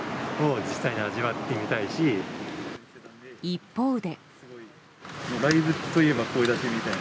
一方で。